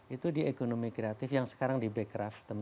itu di ekonomi kreatif yang sekarang di back craft teman teman